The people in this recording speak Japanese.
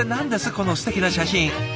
このすてきな写真。